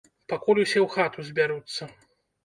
Пакуль усе ў хату збяруцца.